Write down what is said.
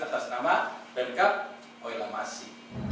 atas nama bank kup oelamasi